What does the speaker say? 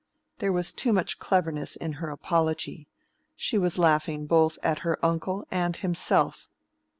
There was too much cleverness in her apology: she was laughing both at her uncle and himself.